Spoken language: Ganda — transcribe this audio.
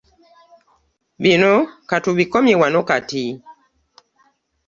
Bino ka tubikomye wano kati.